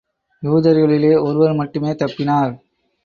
யூதர்களிலே ஒருவர் மட்டுமே தப்பினார்.